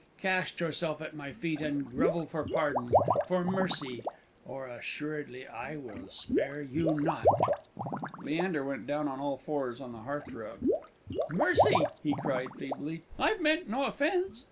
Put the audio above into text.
Cast yourself at my feet, and grovel for pardon for mercy or assuredly I will spare you not!" Leander went down on all fours on the hearthrug. "Mercy!" he cried, feebly. "I've meant no offence.